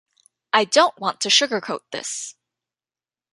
I don't want to sugarcoat this.